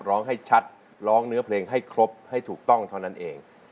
ร้องให้ชัดร้องเนื้อเพลงให้ครบให้ถูกต้องเท่านั้นเอง